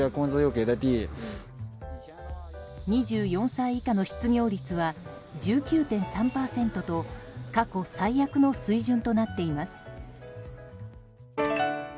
２４歳以下の失業率は１９．３％と過去最悪の水準となっています。